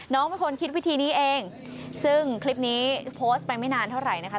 น้องเป็นคนคิดวิธีนี้เองซึ่งคลิปนี้โพสต์ไปไม่นานเท่าไหร่นะคะ